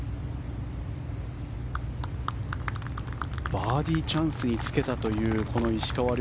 バーディーチャンスにつけたという石川遼。